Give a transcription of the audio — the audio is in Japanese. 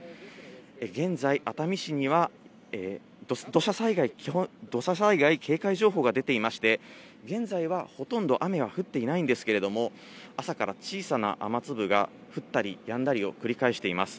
現在、熱海市には土砂災害警戒情報が出ていまして、現在はほとんど雨は降っていないんですけれども、朝から小さな雨粒が降ったりやんだりを繰り返しています。